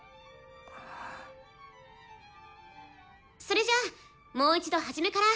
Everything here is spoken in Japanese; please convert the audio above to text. それじゃあもう一度はじめから。